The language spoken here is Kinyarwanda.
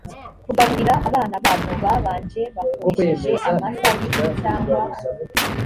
kugaburira abana babo babanje bakoresheje amata yifu cyangwa